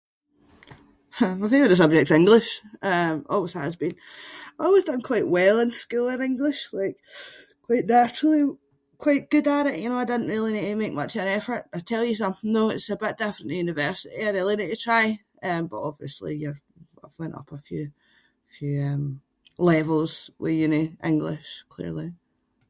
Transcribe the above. My favourite subject’s English. Um always has been. I always done quite well in school in English like, quite naturally quite good at it you know I didn’t really need to make much of an effort. I’ll tell you something though, it’s a bit different in university. I really need to try. Uh but obviously you’re, I’ve went up a few- few um levels with uni English clearly.